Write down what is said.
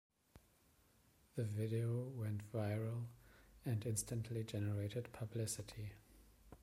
The video went viral and instantly generated publicity.